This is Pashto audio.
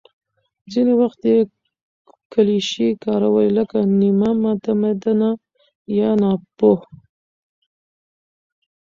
ځینې وخت یې کلیشې کارولې، لکه «نیمه متمدنه» یا «ناپوه».